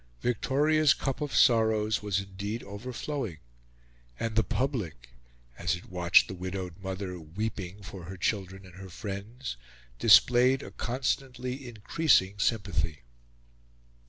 Victoria's cup of sorrows was indeed overflowing; and the public, as it watched the widowed mother weeping for her children and her friends, displayed a constantly increasing sympathy.